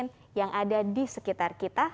dengan penggunaan masker ganda